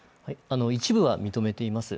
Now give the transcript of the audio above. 一部は認めています。